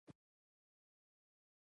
روغ زړه سالم ژوند ته لاره هواروي.